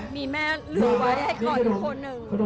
มีแม่เลือกไว้ให้คอยอยู่คนหนึ่ง